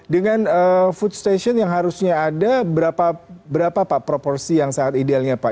dengan food station yang harusnya ada berapa pak proporsi yang sangat idealnya pak